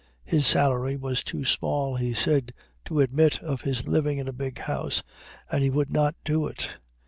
His salary was too small, he said, to admit of his living in a big house, and he would not do it.